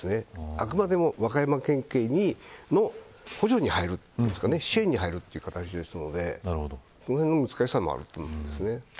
あくまでも、和歌山県警の補助に入るというか支援に入るというか形なのでそのへんの難しさもあると思います。